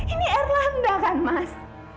ini erlanda kan mas